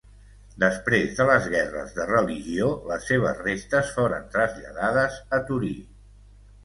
Després de les Guerres de Religió les seves restes foren traslladades a Torí.